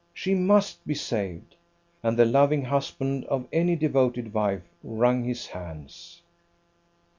She must be saved!" And the loving husband of any devoted wife wrung his hands.